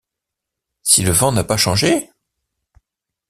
Si le vent n’a pas changé?